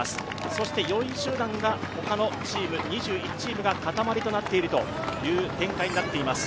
そして、４位集団が他のチーム２１チームが塊となっている展開。